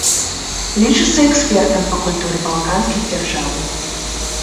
Лічыцца экспертам па культуры балканскіх дзяржаў.